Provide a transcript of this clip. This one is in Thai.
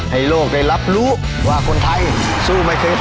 ให้โลกได้รับรู้ว่าคนไทยสู้ไม่เคย